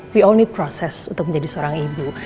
kita semua butuh proses untuk menjadi seorang ibu